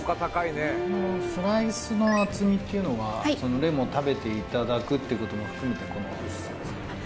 このスライスの厚みっていうのはそのレモン食べていただくっていうことも含めてこの薄さですか？